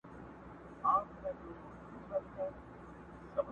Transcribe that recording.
د تيارو اجاره دار محتسب راغى٫